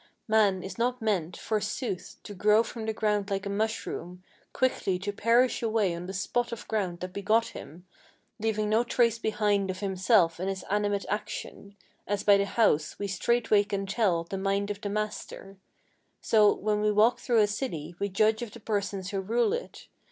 Man is not meant, forsooth, to grow from the ground like a mushroom, Quickly to perish away on the spot of ground that begot him, Leaving no trace behind of himself and his animate action! As by the house we straightway can tell the mind of the master, So, when we walk through a city, we judge of the persons who rule it.